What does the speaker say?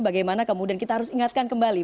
bagaimana kemudian kita harus ingatkan kembali